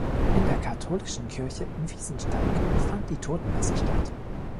In der katholischen Kirche in Wiesensteig fand die Totenmesse statt.